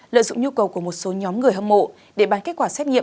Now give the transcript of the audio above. lợi dụng nhu cầu của một số nhóm người hâm mộ để bán kết quả xét nghiệm